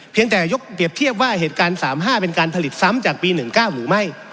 แต่ยกเปรียบเทียบว่าเหตุการณ์๓๕เป็นการผลิตซ้ำจากปี๑๙หรือไม่